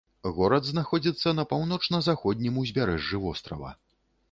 Горад знаходзіцца на паўночна-заходнім узбярэжжы вострава.